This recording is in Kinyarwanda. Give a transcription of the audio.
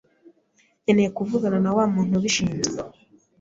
nkeneye kuvugana numuntu ubishinzwe.